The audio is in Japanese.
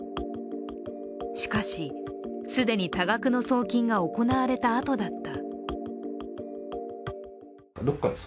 しかし既に多額の送金が行われたあとだった。